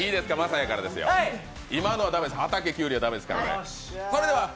今のは駄目です、畑、キュウリは駄目ですからね。